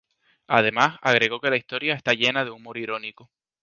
Además agregó que la historia "está llena de un humor irónico".